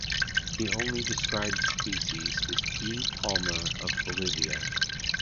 The only described species is P. palmar of Bolivia.